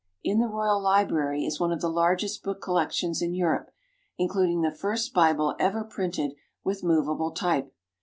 In the Royal Library is one of the largest book collections in Europe, including the first Bible ever printed with movable type.